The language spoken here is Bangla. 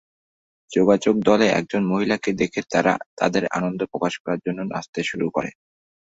যোগাযোগ দলে একজন মহিলাকে দেখে তারা তাদের আনন্দ প্রকাশ করার জন্য নাচতে শুরু করে।